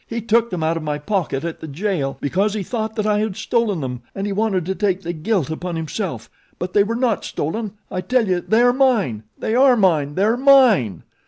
He took them out of my pocket at the jail because he thought that I had stolen them and he wanted to take the guilt upon himself; but they were not stolen, I tell you they are mine! they are mine! they are mine!"